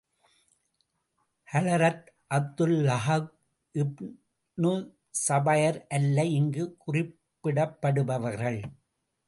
Hazrat Abdullah ibn Zubair அல்ல இங்கு குறிப்பிடப்படுபவர்கள்.